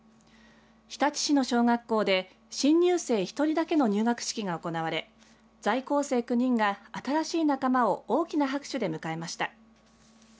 日立市の小学校で新入生１人だけの入学式が行われ在校生９人が新しい仲間を大きな拍手で迎えました。